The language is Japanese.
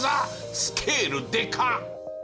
スケールでかっ！